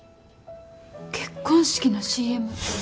結婚式のＣＭ。